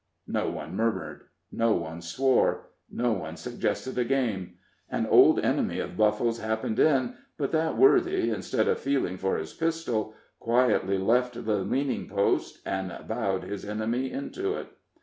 No one murmured. No one swore. No one suggested a game. An old enemy of Buffle's happened in, but that worthy, instead of feeling for his pistol, quietly left the leaning post, and bowed his enemy into it.